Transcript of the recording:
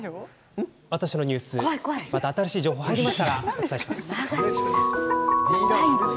「わたしのニュース」また新しい情報が入りましたらお伝えします。